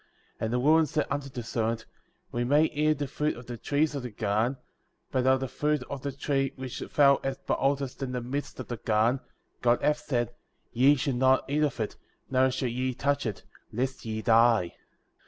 8. And the woman said unto the serpent: We may eat of the fruit of the trees of the garden ; 9. But of the fruit of the tree which thou behold est in the midst of the garden, God hath said — Ye shall not eat of it, neither shall ye touch it, lest ye die.